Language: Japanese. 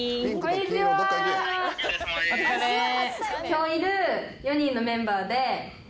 今日いる４人のメンバーで。